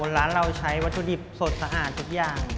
ร้านเราใช้วัตถุดิบสดสะอาดทุกอย่าง